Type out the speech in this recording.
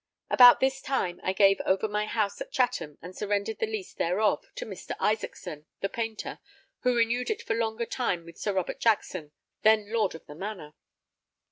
About this time I gave over my house at Chatham and surrendered the lease thereof to Mr. Isackson, the painter, who renewed it for longer time with Sir Robert Jackson, then Lord of the Manor.